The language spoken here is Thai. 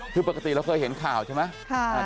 คือปกติเราเคยเห็นข่าวใช่ไหม